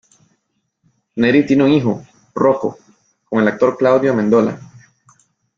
Neri tiene un hijo, Rocco, con el actor Claudio Amendola.